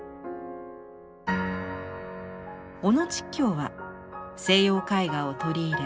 小野竹喬は西洋絵画を取り入れ